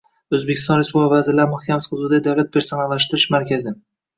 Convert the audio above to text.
O‘zbekiston Respublikasi Vazirlar Mahkamasi huzuridagi Davlat personallashtirish markazi